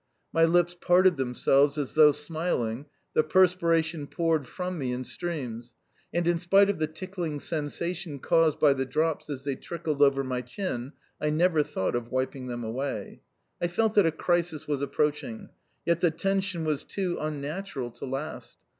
My lips parted themselves as though smiling, the perspiration poured from me in streams, and, in spite of the tickling sensation caused by the drops as they trickled over my chin, I never thought of wiping them away. I felt that a crisis was approaching. Yet the tension was too unnatural to last.